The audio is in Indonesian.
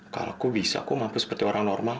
kalau aku bisa kok mampu seperti orang normal